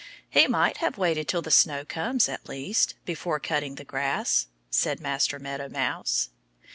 "He might have waited till the snow comes, at least, before cutting the grass," said Master Meadow Mouse.